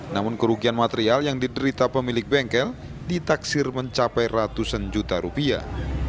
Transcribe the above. namun kerugian material yang diderita pemilik bengkel ditaksir mencapai ratusan juta rupiah